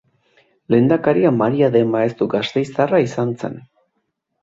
Lehendakaria Maria de Maeztu gasteiztarra izan zen.